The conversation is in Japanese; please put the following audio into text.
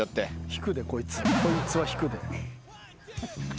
引くでこいつこいつは引くで。